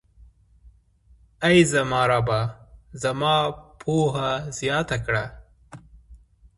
اې زما ربه، زما پوهه زياته کړه.